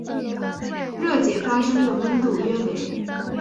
热解发生的温度约为。